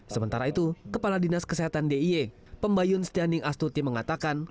sementara itu kepala dinas kesehatan d i e pembayun setianing astuti mengatakan